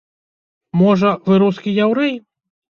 Можа, вы рускі яўрэй?